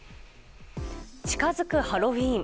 近づくハロウィーン。